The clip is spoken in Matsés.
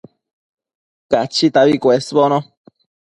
Cachitabi cuesbono